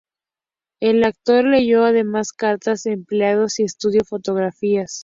El actor leyó además cartas de empleados y estudió fotografías.